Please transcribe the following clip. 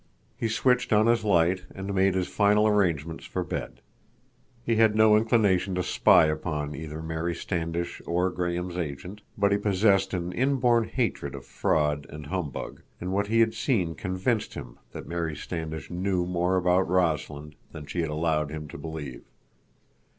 He switched on his light and made his final arrangements for bed. He had no inclination to spy upon either Mary Standish or Graham's agent, but he possessed an inborn hatred of fraud and humbug, and what he had seen convinced him that Mary Standish knew more about Rossland than she had allowed him to believe.